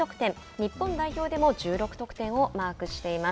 日本代表でも１６得点をマークしています。